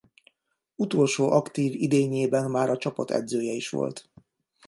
Utolsó aktív idényében már a csapat edzője is volt.